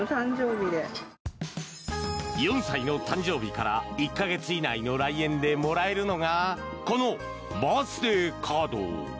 ４歳の誕生日から１か月以内の来園でもらえるのがこのバースデーカード。